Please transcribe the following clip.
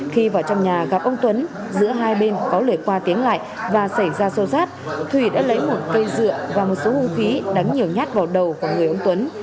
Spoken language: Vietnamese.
khi vào trong nhà gặp ông tuấn giữa hai bên có lời qua tiếng lại và xảy ra sâu sát thủy đã lấy một cây dựa và một số hương khí đắng nhường nhát vào đầu của người ông tuấn